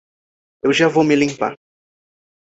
Eu já vou me limpar